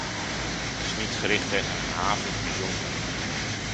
Het is niet gericht tegen een haven in het bijzonder.